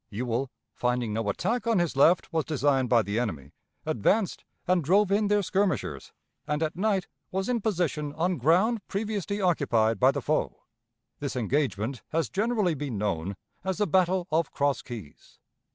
Ewell, finding no attack on his left was designed by the enemy, advanced and drove in their skirmishers, and at night was in position on ground previously occupied by the foe. This engagement has generally been known as the battle of Cross Keys.